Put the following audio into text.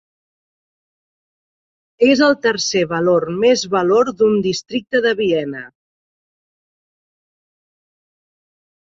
És el tercer valor més valor d'un districte de Viena.